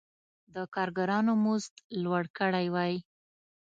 د کارګرانو مزد لوړ کړی وای.